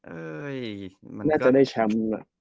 เอ่ยมันก็ออร์น์น่าจะได้แชมป์